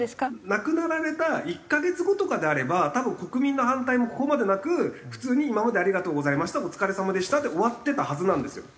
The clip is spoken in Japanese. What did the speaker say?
亡くなられた１カ月後とかであれば多分国民の反対もここまでなく普通に「今までありがとうございました」「お疲れさまでした」で終わってたはずなんですよ。